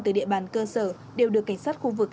từ địa bàn cơ sở đều được cảnh sát khu vực